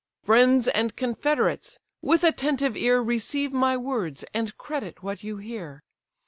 "Friends and confederates! with attentive ear Receive my words, and credit what you hear.